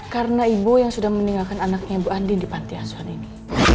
karena ibu yang sudah meninggalkan anaknya ibu andi di panti asuhan ini